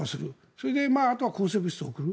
それで、あとは抗生物質を送る。